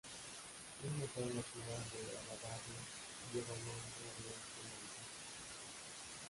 Un museo en la ciudad de Olavarría lleva el nombre de este militar.